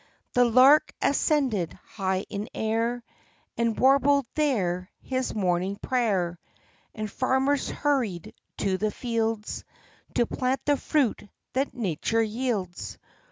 The lark ascended high in air, And warbled there his morning prayer; And farmers hurried to the fields, To plant the fruit that nature yields.